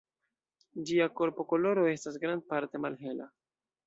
Ĝia korpokoloro estas grandparte malhela.